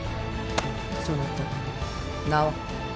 そなた名は。